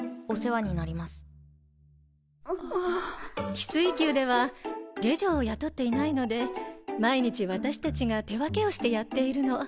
翡翠宮では下女を雇っていないので毎日私たちが手分けをしてやっているの。